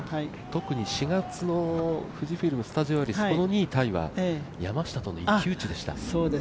特に４月の富士フイルム・スタジオアリス、この２位タイは、山下との一騎打ちでした。